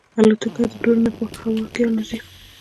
الوتکه د دوړو نه پاکه هوا کې الوزي.